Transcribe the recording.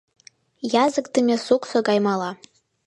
Языкдыме суксо гай мала.